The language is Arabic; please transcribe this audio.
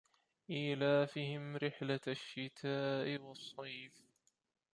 إيلافِهِم رِحلَةَ الشِّتاءِ وَالصَّيفِ